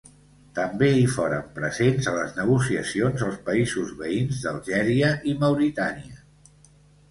També hi foren presents a les negociacions els països veïns d'Algèria i Mauritània.